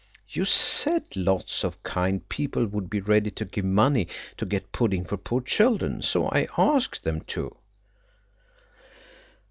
"You said lots of kind people would be ready to give money to get pudding for poor children. So I asked them to."